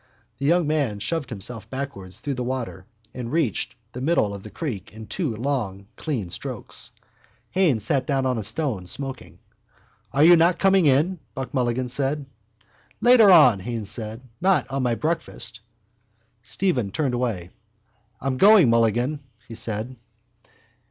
The young man shoved himself backward through the water and reached the middle of the creek in two long clean strokes. Haines sat down on a stone, smoking. —Are you not coming in? Buck Mulligan asked. —Later on, Haines said. Not on my breakfast. Stephen turned away. —I'm going, Mulligan, he said.